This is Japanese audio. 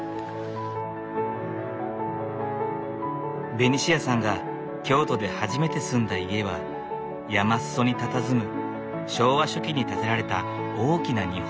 ベニシアさんが京都で初めて住んだ家は山裾にたたずむ昭和初期に建てられた大きな日本家屋。